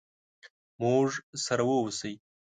موږ سره ووسئ.